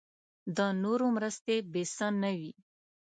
د نورو مرستې بې څه نه وي.